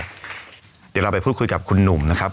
เดี๋ยวเราไปพูดคุยกับคุณหนุ่มนะครับ